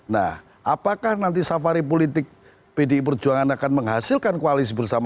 nah apakah nanti safari politik pdi perjuangan akan menghasilkan koalisi bersama